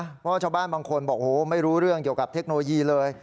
เพราะว่าชาวบ้านบางคนบอกไม่รู้เรื่องเกี่ยวกับเทคโนโลยีเลย